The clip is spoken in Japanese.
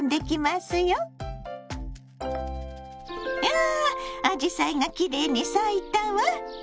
わあアジサイがきれいに咲いたわ。